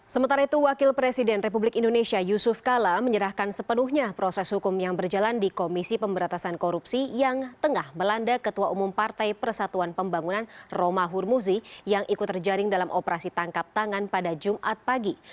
sementara itu wakil presiden republik indonesia yusuf kala menyerahkan sepenuhnya proses hukum yang berjalan di komisi pemberatasan korupsi yang tengah melanda ketua umum partai persatuan pembangunan roma hurmuzi yang ikut terjaring dalam operasi tangkap tangan pada jumat pagi